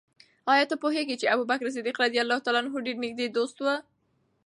آیا ته پوهېږې چې ابوبکر صدیق د رسول الله ص ډېر نږدې دوست و؟